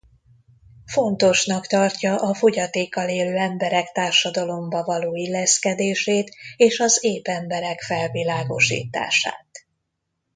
Fontosnak tartja a fogyatékkal élő emberek társadalomba való illeszkedését és az ép emberek felvilágosítását.